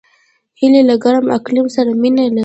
هیلۍ له ګرم اقلیم سره مینه لري